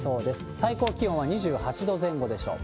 最高気温は２８度前後でしょう。